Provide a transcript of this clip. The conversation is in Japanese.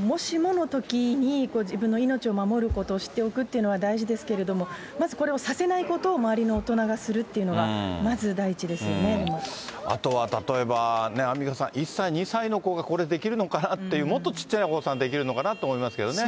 もしものときに、自分の命を守ることを知っておくというのは大事ですけれども、まずこれをさせないことを周りの大人がするっていうのは、まず第あとは例えば、アンミカさん、１歳、２歳の子が、これ、できるのかなって、もっとちっちゃいお子さんできるのかなって思いますけどね。